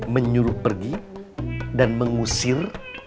menyuruh pergi dan mengusir